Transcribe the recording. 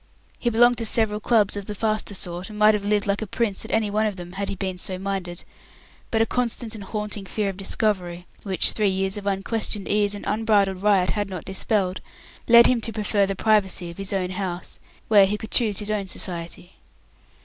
He belonged to several clubs of the faster sort, and might have lived like a prince at any one of them had he been so minded; but a constant and haunting fear of discovery which three years of unquestioned ease and unbridled riot had not dispelled led him to prefer the privacy of his own house, where he could choose his own society.